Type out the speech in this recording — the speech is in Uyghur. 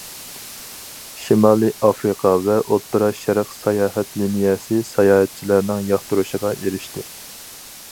شىمالىي ئافرىقا ۋە ئوتتۇرا شەرق ساياھەت لىنىيەسى ساياھەتچىلەرنىڭ ياقتۇرۇشىغا ئېرىشتى.